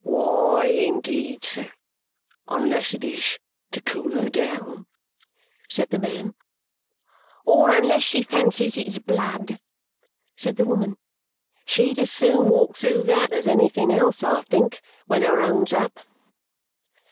"Why, indeed, sir, unless it is to cool her down!" said the man. "Or unless she fancies it's blood," said the woman. "She'd as soon walk through that as anything else, I think, when her own's up!"